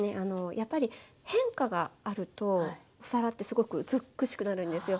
やっぱり変化があるとお皿ってすごく美しくなるんですよ。